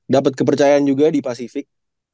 dapet kepercayaan juga di pacific